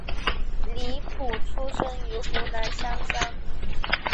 李普出生于湖南湘乡。